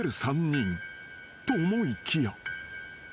［と思いきや］